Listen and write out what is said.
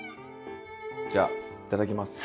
じゃあいただきます！